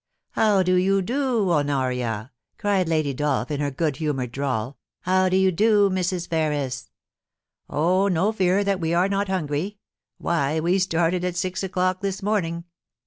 *How do you do, Honoria?' cried Lady Dolph in her good humoured drawl —* how do you do, Mrs. Ferris ? Oh, no fear that we are not hungry — why, we started at six o'clock this morning.